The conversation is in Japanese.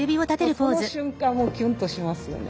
その瞬間キュンとしますよね。